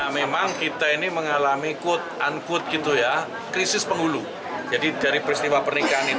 memang kita ini mengalami kut an kut gitu ya krisis penghulu jadi dari peristiwa pernikahan